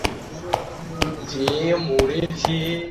প্রথমে তাদের দুজনকে টিসি দিন।